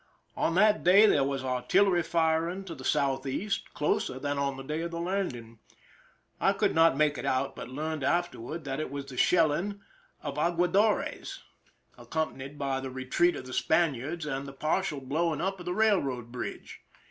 On that day there was artillery firing to the southeast, closer than on the day of the landing. I could not make it out, but learned afterward that it was the shelling of Aguadores, accompanied by the retreat of the Spaniards and the partial blowing up of the railroad bridge.